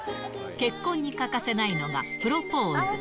結婚に欠かせないのが、プロポーズ。